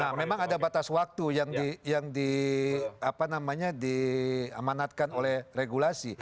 nah memang ada batas waktu yang diamanatkan oleh regulasi